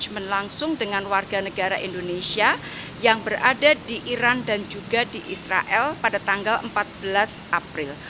manajemen langsung dengan warga negara indonesia yang berada di iran dan juga di israel pada tanggal empat belas april